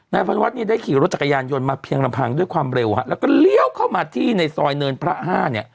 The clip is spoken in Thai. พันธวัฒน์เนี่ยได้ขี่รถจักรยานยนต์มาเพียงลำพังด้วยความเร็วฮะแล้วก็เลี้ยวเข้ามาที่ในซอยเนินพระ๕เนี่ย